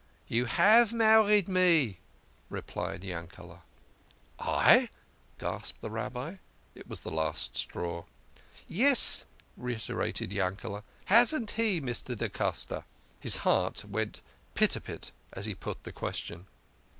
" You have married me," replied Yankele. " I ?" gasped the Rabbi. It was the last straw. " Yes," reiterated Yankele. " Hasn't he, Mr. da Costa ?" His heart went pit a pat as he put the question.